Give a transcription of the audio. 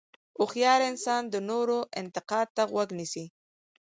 هوښیار انسان د نورو انتقاد ته غوږ نیسي.